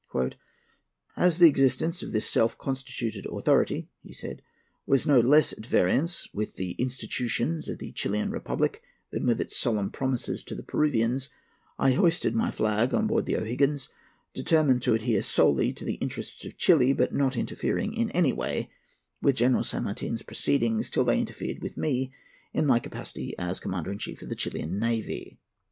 "As the existence of this self constituted authority," he said, "was no less at variance with the institutions of the Chilian Republic than with its solemn promises to the Peruvians, I hoisted my flag on board the O'Higgins, determined to adhere solely to the interests of Chili; but not interfering in any way with General San Martin's proceedings till they interfered with me in my capacity as Commander in Chief of the Chilian navy."